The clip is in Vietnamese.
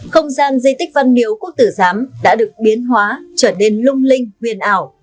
không gian di tích văn miếu quốc tử giám đã được biến hóa trở nên lung linh huyền ảo